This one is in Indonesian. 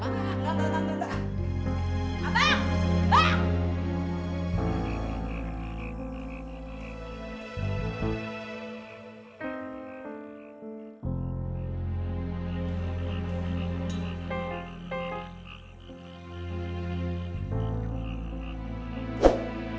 enggak enggak enggak